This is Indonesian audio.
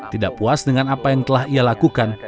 tidak puas dengan apa yang telah ia lakukan